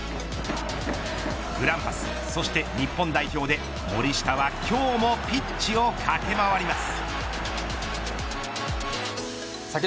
グランパス、そして日本代表で森下は今日もピッチを駆け回ります。